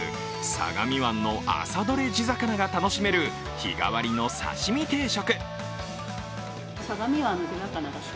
相模湾の朝どれ地魚が楽しめる日替わりの刺身定食。